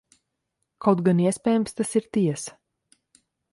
Kaut gan, iespējams, tas ir tiesa.